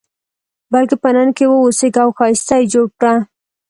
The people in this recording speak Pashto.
بلکې په نن کې واوسېږه او ښایسته یې جوړ کړه.